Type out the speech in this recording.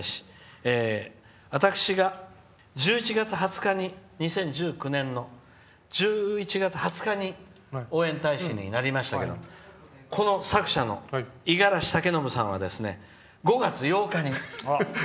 私が、２０１９年の１１月２０日に応援大使になりましたけどもこの作者の五十嵐威暢さんは５月８日に。